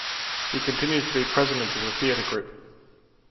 He continues to be President of the theatre group.